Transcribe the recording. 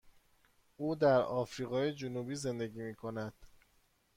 او در آفریقای جنوبی زندگی می کند.